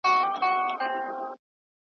شاوخوا پر طبیبانو ګرځېدله .